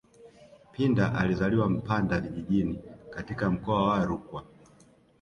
Pinda alizaliwa Mpanda vijijini katika mkoa wa Rukwa